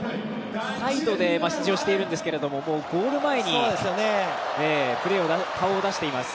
サイドで出場してるんですけどもうゴール前に顔を出しています。